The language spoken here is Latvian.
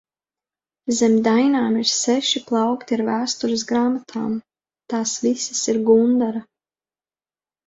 Zem dainām ir seši plaukti ar vēstures grāmatām, tās visas ir Gundara.